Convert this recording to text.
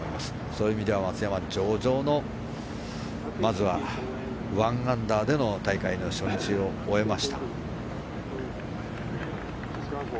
そういう意味では松山は上々の１アンダーで初日を終えました。